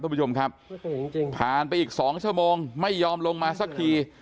คุณผู้ชมครับผ่านไปอีก๒ชั่วโมงไม่ยอมลงมาสักที